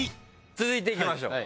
続いていきましょう。